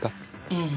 うん。